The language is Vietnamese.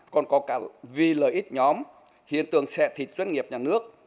còn có cả vì lợi ích nhóm hiện tượng xẹ thịt doanh nghiệp nhà nước